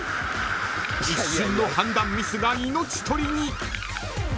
［一瞬の判断ミスが命取りに］